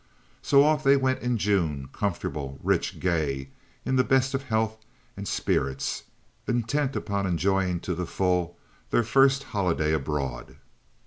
So off they went in June, comfortable, rich, gay, in the best of health and spirits, intent upon enjoying to the full their first holiday abroad.